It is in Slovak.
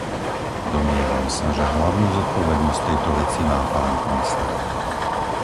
Domnievam sa, že hlavnú zodpovednosť v tejto veci má pán komisár.